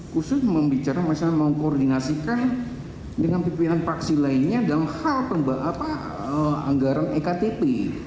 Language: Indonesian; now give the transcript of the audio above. khusus membicara masalah mengkoordinasikan dengan pimpinan paksi lainnya dalam hal anggaran iktp